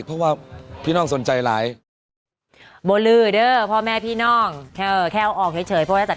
เค้าโพสต์ไงว่าใครซื้นชอบเลขรด